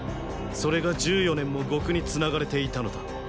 それが十四年も獄につながれていたのだ。